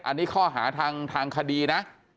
อันนี้ข้อหาทางคดีนะ